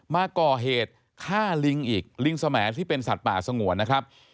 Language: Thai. มาก่อเหตุฆ่าลิงอีกลิงสมแอที่เป็นสัตว์ป่าสงวนนะครับ